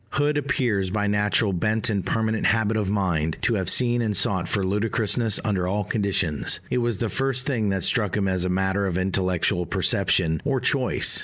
Hood appears, by natural bent and permanent habit of mind, to have seen and sought for ludicrousness under all conditions it was the first thing that struck him as a matter of intellectual perception or choice.